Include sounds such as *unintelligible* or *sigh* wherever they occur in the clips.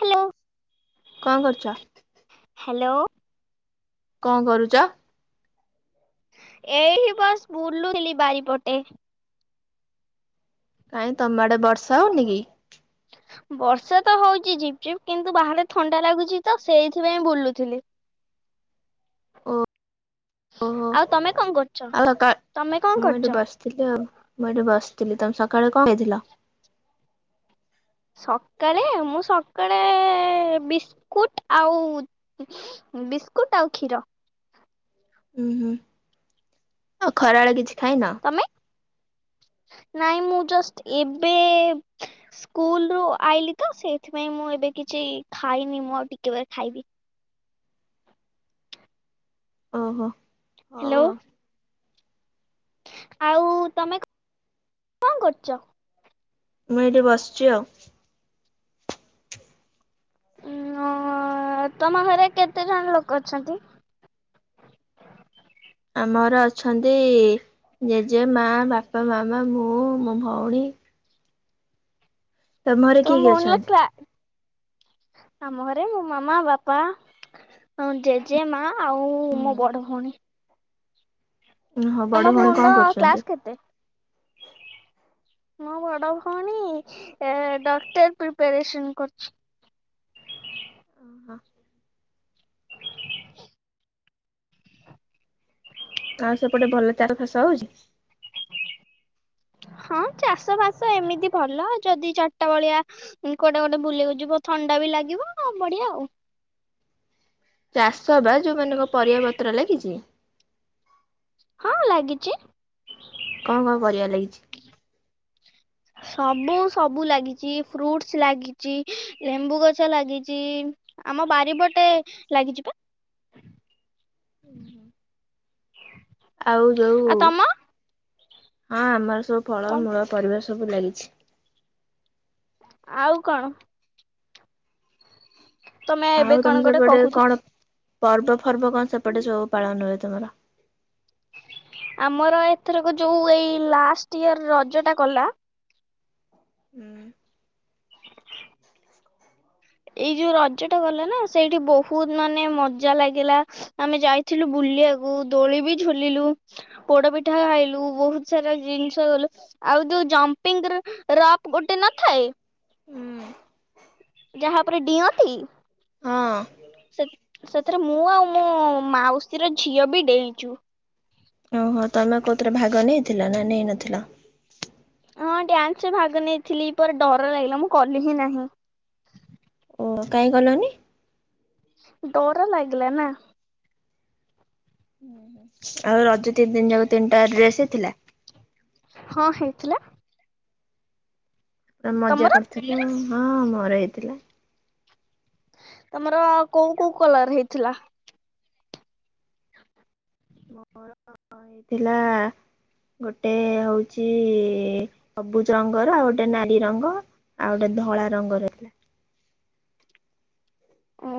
Hello. କଁ କରୁଚ? Hello. କଁ କରୁଚ? ଏଇଠି ବସ ବୁଲୁଥିଲି ବାରିପଟେ। କାଇଁ ତମ ଆଡେ ବର୍ଷା ହୋଉନି କି? ବର୍ଷା ତ ହଉଚି ଝିପ୍ ଝିପ୍ କିନ୍ତୁ ବାହାରେ ଥଣ୍ଡା ଲାଗୁଛି ତ ସେଇଥିପାଇଁ ବୁଲୁଥିଲି। । ଆଉ ତମେ କଣ କରୁଛ ତମେ କଣ କରୁଛ? ଥିଲି ଆଉ ମୁଁ ଏଠି ବସିଥିଲି ତମେ ସକାଳେ କଣ ହେଇଥିଲ? ସକାଳେ ମୁଁ ସକାଳେ ବିସ୍କୁଟ ଆଉ ବିସ୍କୁଟ ଆଉ କ୍ଷୀର। ଉୁଁ ହୁଁ ଆଉ ଖରାବେଳ କିଛି ଖାଇନ? ମେ ନାଇଁ ମୁଁ ଜଷ୍ଟ୍ ଏବେ ସ୍କୁଲ ରୁ ଆଇଲି ତ ସେଇଥିପାଇଁ ମୁଁ ଏବେ କିଛି ଖାଇନି ମୁଁ ଆଉ ଟିକେ ବ ଖାଇବି। ଓହୋ। ହ୍ୟାଲୋ। ଆଉ ଆଉ ତମେ କଣ କରୁଛ? ମୁଁ ଏଇଠି ବସିଛି ଆଉ। ଉଁ ଅଁ ତମ ଘରେ କେତେ ଜଣ ଲୋକ ଅଛନ୍ତି? ଆମର ଅଛନ୍ତି ଜେଜେ, ମା, ବାପା, ମାମା, ମୁଁ ମୋ ଭଉଣୀ। ତମ ଘରେ କିଏ କିଏ ଅଛନ୍ତି? *unintelligible* ହଁ ଜେଜେ ମା ଆଉ ମୋ ବଡ ଭଉଣୀ। ହଁ ବଡ ତମ ଭଉଣୀ କଣ ର କରୁଛନ୍ତି? କ୍ଲାସ କେତେ? ମୋ ବଡ ଭଉଣୀ ଏ ଡକ୍ଟର ପ୍ରିପାରେସନ କରୁଛି। ଓହୋ। ଆଉ ସେପଟେ ଭଲ ଚାର ଖାସ ହଉଛି? ହଁ ଚାଷ ବାସ ଏମିତି ଭଲ ଯଦି ଚଟା ଭଳିଆ କୋଆଡେ ଗୋଟେ ବୁଲକୁ ଯିବ ଥଣ୍ଡା ବି ଲାଗିବ ବଢିଆ ଆଉ। ଚାଷ ବା ଯୋଉମାନଙ୍କ ପରିବା ପତ୍ର ଲାଗିଛି। ହଁ ଲାଗିଛି। କଣ କଣ ପରିବା ଲାଗିଛି? ସବୁ ସବୁ ଲାଗିଛି ଫ୍ରୁଟ୍ସ ଲାଗିଛି ଲେମ୍ବୁ ଗଛ ଲାଗିଛି ଆମ ବାରିିବଟେ ଲାଗିଯ ପା। ଲାଗିଛି? ଆଉ ଯୋଉ ଆଉ ତମ ହଁ ଆମର ସବୁ ଫଳ ମୂଳ ପରିବା ସବୁ ଲାଗିଛି। ଆଉ କଣ? ତମେ ଏବେ ଆଉ କଣ ତମର ଗୋଟେ ସେପଟେ କହୁଥିଲ? କଣ ପର୍ବ ଫର୍ବ କଣ ସେପଟେ ସବୁ ପାଳନ ହୁଏ ତମର? ଆମର ଏଥରକ ଯୋଉ ଏଇ ଲାଷ୍ଟ ଇୟର ରଜ ଟା ଗଲା ହୁଁ। ଏଇ ଯୋଉ ରଜ ଟା ଗଲା ନା ସେଇଠି ବହୁତ ମାନେ ମଜା ଲାଗିଲା। ଆମେ ଯାଇଥିଲୁ ବୁଲିବାକୁ ଦୋଳି ବି ଝୁଲିଲୁ। ପୋଡ ପିଠା ଖାଇଲୁ ବହୁତ ସାରା ଜିନିଷ ଗଲୁ ଆଉ ଯୋଉ ଜମ୍ପିଙ୍ଗ ର ରପ ଗୋଟେ ନଥାଏ ହୁଁ। ଯାହା ଉପରେ ଡିଅନ୍ତି ହଁ ସେ ସେଥିରେ ମୁଁ ଆଉ ମୋ ମାଉସୀର ଝିଅ ବି ଡେଇଁଚୁ। ଓହୋ ତମେ କଉଥିରେ ଭାଗ ନେଇଥିଲ ନା ନେଇନଥିଲା? ହଁ ଡ୍ୟାନ୍ସରେ ଭାଗ ନେଇଥିଲି ପର୍ ଡର ଲାଗିଲା ମୁଁ କଲି ହିଁ ନାହିଁ। ଓ କାଇହିଁ କଲନି? ଡର ଲାଗିଲା ନା। ଆଉ ରଜ ତିନି ଦିନ ଯାକ ତିନିଟା ଡ୍ରେସ ହେଇଥିଲା? ହଁ ହେଇଥିଲା। ପୁରା ମଜା ତମର କରିଥିଲୁ। ହଁ ମୋର ହେଇଥିଲା। ତମର କୋଉ କୋଉ କଲର୍ ହେଇଥିଲା? ମୋର ହେଇଥିଲା ଗୋଟେ ହଉଚି ସବୁଜ ରଙ୍ଗର ଆଉ ଗୋଟେ ନାଲି ରଙ୍ଗ। ଆଉ ଗୋଟେ ଧଳା ରଙ୍ଗର ଥିଲା।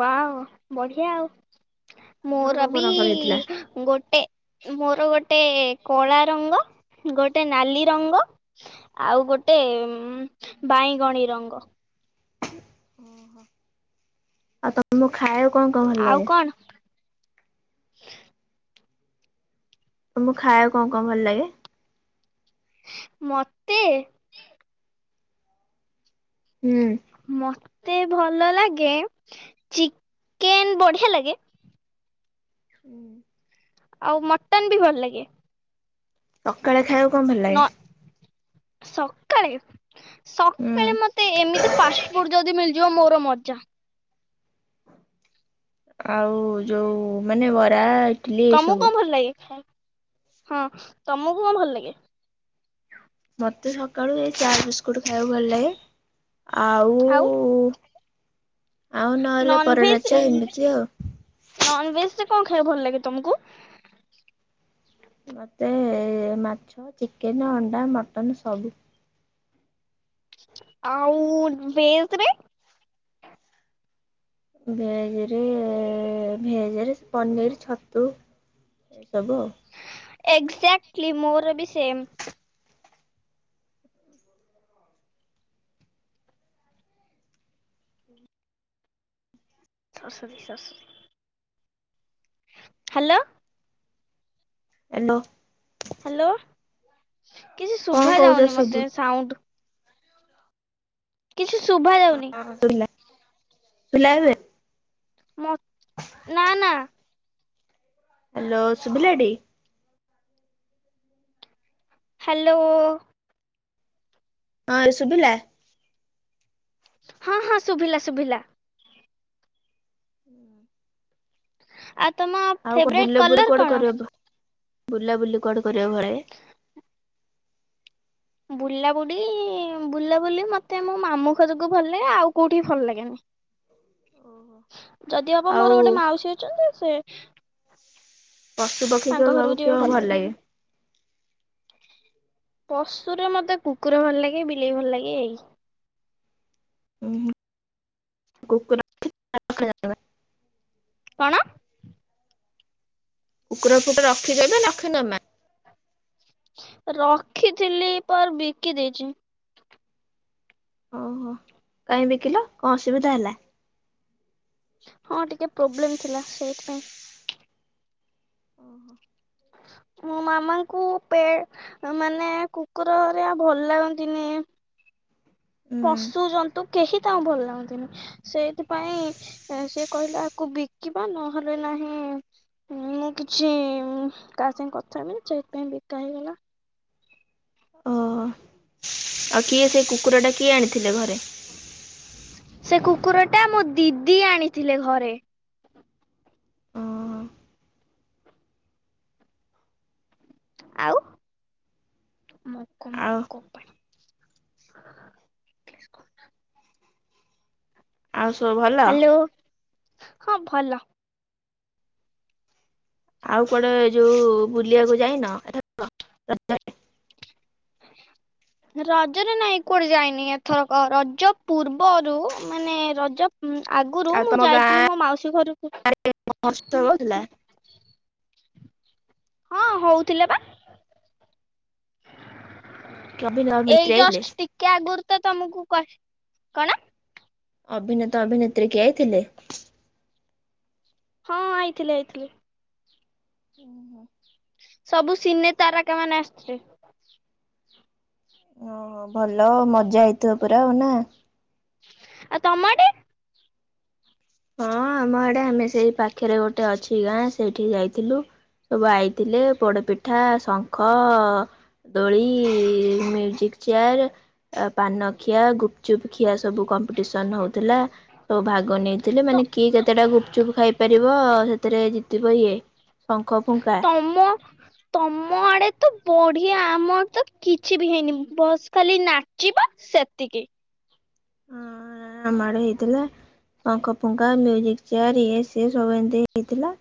ୱା ବଢିଆ ଆଉ। ତମର ମୋର କୋଉ କୋଉ ବି ରଙ୍ଗର ହେଇଥିଲା? ଗୋଟେ ମୋର ଗୋଟେ କଳା ରଙ୍ଗ, ଗୋଟେ ନାଲି ରଙ୍ଗ, ଆଉ ଗୋଟେ ବାଇଗଣୀ ରଙ୍ଗ। ଆଉ ତମକୁ ଖାଇବାକୁ କଣ କଣ ଭଲ ଆଉ ଲାଗେ? କଣ ତମକୁ ଖାଇବାକୁ କଣ କଣ ଭଲ ଲାଗେ? ମତେ? ହୁଁ। ମତେ ଭଲ ଲାଗେ ଚିକେନ୍ ବଢିଆ ଲାଗେ। ହୁଁ। ଆଉ ମଟନ୍ ବି ଭଲ ଲାଗେ। ସକାଳେ ଖାଉବା ନ ସକାଳେ ହୁଁ। ସକାଳେ ମତେ ଏମିତି ଫାଷ୍ଟ୍ ଫୁଡ୍ ଯଦି ମିଳିଯିବ ମୋର ମଜା। ଆଉ ଯୋଉ ମାନେ ବରା ଇଟିଲି ଏଇ ତମକୁ ସବୁ। କଣ ଭଲ ଲାଗେ ଖାଇଆକୁ? ହଁ ତମକୁ କଣ ଭଲ ଲାଗେ? ମତେ ସକାଳୁ ଏଇ ଚା ବିସ୍କୁଟ୍ ଖାଇବାକୁ ଭଲ ଲାଗେ। ଆଉ, ଆଉ ନ ହେଲେ ପରଟା, ଚା ଏମିତି ଆଉ। ନନ୍ ଭେଜ୍ରେ କଣ ଖାଇବା ଭଲ ଲାଗେ ତମକୁ? ମତେ ମାଛ, ଚିକେନ୍, ଅଣ୍ଡା, ମଟନ ସବୁ। ଆଉ ଭେଜ୍ରେ ଭେଜରେ ଭେଜରେ ପନିର୍, ଛତୁ। ଏଇ ସବୁ। ଏକ୍ଜାକ୍ଲି ମୋର ବି same. Sorry. Sorry. Hello. Hello. Hello. କିଛି କଣ ଶୁଭା କହୁଛ ଯାଉନି ଶୁଭୁ ମତେ ସାଉଣ୍ଡ୍। କିଛି ଶୁଭା ଯାଉନି। ଶୁଭିଲା ଏବେ। ଶୁଭିଲା ଏବେ। ମ ନା ନା। ହ୍ୟାଲୋ। ଶୁଭିଲାଟି। ହ୍ୟାଲୋ। ହଁ ଶୁଭିଲା। ହଁ ହଁ ଶୁଭିଲା ଶୁଭିଲା। ଉଁ। ଆଉ ତମ ଆଉ କ ଫେବରାଇଟ ବୁଲା ବୁଲି କଲର କୁଆଡେ କଣ? କରିବା। ବୁଲା ବୁଲି କୁଆଡେ କରିବା ବୁଲାବୁଡି ବୁଲାବୁଲି ମତେ ମୋ ମାମୁଁ ଘରକୁ ଭଲ ଲାଗେ। ଆଉ କୋଉଠି ଭଲ ଲାଗେନି? ଯଦି ବାପ ଆଉ ମୋର ଗୋଟେ ମାଉସୀ ଅଛନ୍ତି ସେ ପଶୁ ପକ୍ଷୀ ତାଙ୍କ କର ଘରକୁ ସବୁ ଯିବାକୁ କିୟ ଭଲ ଲାଗେ? ପଶୁୁରରେ ମୋତେ କୁକୁର ଭଲ ଲାଗେ ବିଲେଇ ଭଲ ଲାଗେ ଏଇ। ଉଁ କୁକୁର *unintelligible* କଣ? କୁକୁର ଫୁକୁର ରଖିଛ ନା ରଖିନମା? ରଖିଥିଲି ପର୍ ବିକି ଦେଇଛି। ଓହୋ କାହିଁ ବିକିଲ କଣ ଅସୁବିଧା ହେଲା? ହଁ ଟିକେ ପ୍ରୋବ୍ଲେମ୍ ଥିଲା ସେଇଥିପାଇଁ। ଓହୋ। ମୋ ମାମାଙ୍କୁ ପେ ମାନେ କୁକୁରହରିୟା ଭଲ ଲାଗନ୍ତିନି। ହୁଁ ପଶୁ ଜନ୍ତୁ କେହି ତାଙ୍କୁ ଭଲ ଲାଗନ୍ତିନି। ସେଇଥିପାଇଁ ସେ କହିଲା ଆକୁ ବିକିବା ନହେଲେ ନାହିଁ ମୁଁ କିଛି କାହା ସାଙ୍ଗେ କଥା ହେବିିନି ସେଥିପାଇଁ ବିକା ହେଇଗଲା। ଓହୋ ଆଉ କିଏ ସେଇ କୁକୁର ଟା କିଏ ଆଣିଥିଲେ ଘରେ? ସେ କୁକୁର ଟା ମୋ ଦିଦି ଆଣିଥିଲେ ଘରେ। ଓହୋ ଆଉ ମକ ଆଉ ମକ ପାଣି। ଆଉ ସବୁ ଭଲ? ହ୍ୟାଲୋ ହଁ ଭଲ। ଆଉ କୁଆଡେ ଯୋଉ ବୁଲିବାକୁ ଯାଇନ? *unintelligible* ରଜରେ ନାଇଁ କୁଆଡେ ଯାଇନି ଏଥରକ ରଜ ପୂର୍ବରୁ ମାନେ ରଜ ହୁଁ ଆଗରୁ ମୁଁ ଯାଇଥିଲି ମୋ ମାଉସୀ ଘରକୁ *unintelligible* ହେଉଥିଲା। ହଁ ହଉଥିଲା ପା। ଅଭିନୟ ଅଭିନେତ୍ରୀ ଏଇ ଆଇଥିଲେ ଜଷ୍ଟ ଟିକେ ଆଗରୁ ତ ତମକୁ କ କଣ? ଅଭିନେତା ଅଭିନେତ୍ରୀ କିଏ ଆଇଥିଲେ? ହଁ ଆଇଥିଲେ ଆଇଥିଲେ। ହୁଁ ହୁଁ। ସବୁ ସିନେ ତାରେକାମାନେ ଆସଚେ ଓହୋ ଭଲ ମଜା ହେଇଥିବ ପୁରା ଆଉ ନା? ଆଉ ତମ ଆଡେ? ହଁ ଆମ ଆଡେ ଆମେ ସେଇ ପାଖରେ ଗୋଟେ ଅଛି ଗାଁ ସେଇଠିକି ଯାଇଥିଲୁ। ସବୁ ଆଇଥିଲେ ପୋଡପିଠା ଶଙ୍ଖ ଦୋଳି ମ୍ୟୁଜିକ ଚେୟାର ପାନ ଖିଆ ଗୁପଚୁପ ଖିଆ ସବୁ କମ୍ପିଟେସନ ହଉଥିଲା ସବୁ ଭାଗ ନେ ଥିଲେ ତ ମାନେ କି କେତେଟା ଗୁପଚୁପ ଖାଇପାରିବ ସେଥିରେ ଜିତିବ ଇଏ ଶଙ୍ଖ ଫୁଙ୍କା ତମ ତମ ଆଡେ ତ ବଢିଆ ଆମର ତ କିଛି ବି ହେଇନି ବସ୍ ଖାଲି ନାଚିବ ସେତିକି। ଆମ ଆଡେ ହେଇଥିଲା ଶଙ୍ଖ ଫୁଙ୍ଗା ମିଉଜିକ୍ ଚେୟାର ଇଏ ସିଏ ସବୁ ଏମିତି ହେଇଥିଲା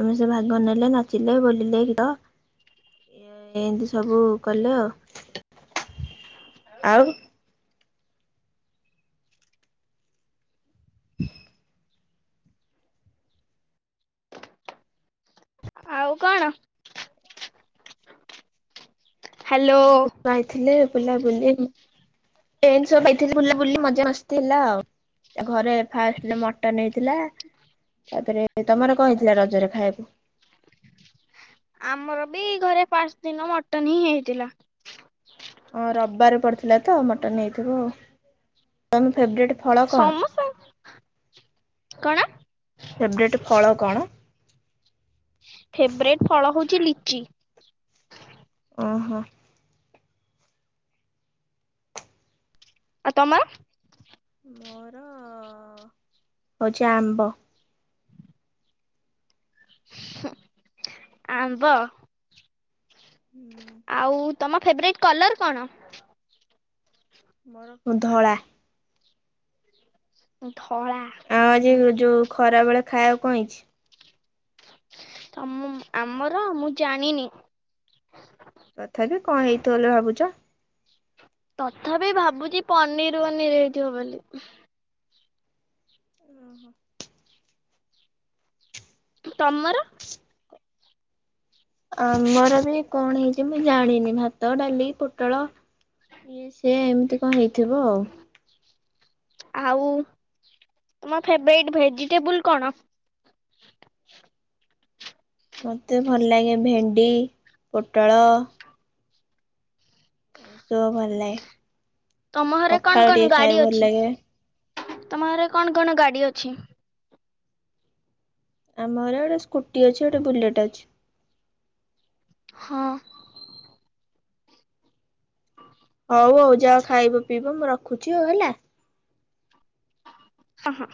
ଆମେ ସେ ଭାଗ ନେଲେ ନାଚିଲେ ବୋଲିଲେ ଗୀତ ଏମିତି ସବୁ କଲେ ଆଉ? ହ ଆଉ କଣ ହ୍ୟାଲୋ। ଏମିତି ପାଇଥିଲେ ବୁଲାବୁଲି ଏନ୍ତ୍ରି ସବୁ ପାଇଥିଲେ ବୁଲାବୁଲି ମଜା ମସ୍। ଥିଲା ଆଉ ଘରେ ଫାଷ୍ଟ ମଟନ ହେଇଥିଲା। ତାପରେ ତମର କଣ ହେଇଥିଲା ରଜରେ ଖାଇବାକୁ। ଆମର ବି ଘରେ ଫାଷ୍ଟେ ଦିନ ମଟନ ହିଁ ହେଇଥିଲା। ହଁ ରବିବାରେ ପଡିଥିଲା ତ ମଟନ ହେଇଥିବ ଆଉ ତମ ଫେବରେଟ। ଫଳ କଣ? ସମସ୍ତଙ୍କ କଣ। ଫେବରେଟ୍ ଫଳ କଣ। ଫେବରେଟ୍ ଫଳ ହଉଛି ଲିଚି। ଓହୋ। ଆଉ ତମର। ଆମର ହଉଛି ଆମ୍ବ। ଆମ୍ବ ଆଉ। ତମ ଫେବରେଟ୍ କଲର କଣ। ମୋର ଧଳା। ଧଳା। ଆଉ ଆଜି ହୁଁ ଯୋଉ ଖରା ବେଳେ ଖାଇବାକୁ କଣ ହେଇଛି। ତମ ଆମର ମୁଁ ଜାଣିନି। ତଥାପି କଣ ହେଇଥିବ ବୋଲି ଭାବୁଛ। ତଥାପି ଭାବୁଛି ପନିର ପନିର ହେଇଥିବ ବୋଲି। *inaudible* ତମର। ଆମର ବି କଣ ହେଇଛି ମୁଁ ଜାଣିନି ଭାତ ଡାଲି ପୋଟଳ। ଇଏ ସି ଏମିତି କଣ ହେଇଥିବ ଆଉ। ଆଉ ତମ ଫେରଟ ଭେଜିଟେବୁଲ କଣ। ମତେ ଭଲ ଲାଗେ ଭେଣ୍ଡି ପୋଟଳ। ଏ ସବୁଭଲ ଲାଗେ ତମ ଘରେ ପଖାଳ ଟିକେ ଖାଇବାକୁ ଭଲ ଲାଗେ। ତମଘରେ କଣ କଣ ଗାଡି ଅଛି। ଆମ ଘରେ ଗୋଟେ ସ୍କୁଟି ଅଛି ଗୋଟେ ବୁଲେଟ ଅଛି। ହଁ। *inaudible* ହଉ ହଉ ଯାହା ଖାଇବ ପିଇବ ମୁଁ ରଖୁଚି। ଖୋଯିବ ହେଲା। ହ ହଁ।